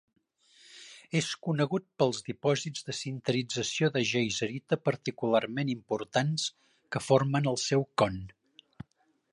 És conegut pels dipòsits de sinterització de geiserita particularment importants, que formen el seu con.